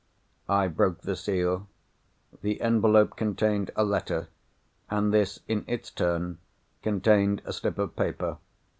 I broke the seal. The envelope contained a letter: and this, in its turn, contained a slip of paper.